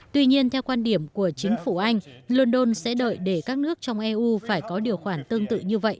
tuy nhiên theo quan điểm của chính phủ anh london sẽ đợi để các nước trong eu phải có điều khoản tương tự như vậy